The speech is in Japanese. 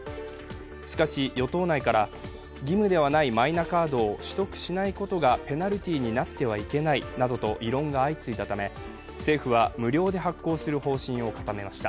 しかし、与党内から義務ではないマイナカードを取得しないことがペナルティーになってはいけないなどと異論が相次いだため、政府は無料で発行する方針を固めました。